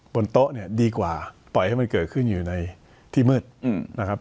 บนโต๊ะเนี่ยดีกว่าปล่อยให้มันเกิดขึ้นอยู่ในที่มืดนะครับ